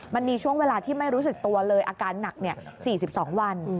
มันมีช่วงเวลาที่ไม่รู้สึกตัวเลยอาการหนัก๔๒วัน